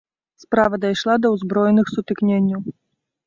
Справа дайшла да ўзброеных сутыкненняў.